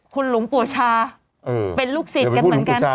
คุณหลวงปู่ชาเป็นลูกศิษย์กันเหมือนกัน